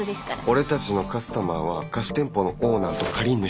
俺たちのカスタマーは貸し店舗のオーナーと借り主。